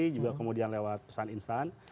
juga kemudian lewat pesan instan